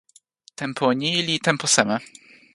tenpo ni li tenpo seme?